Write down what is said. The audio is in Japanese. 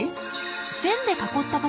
線で囲った形。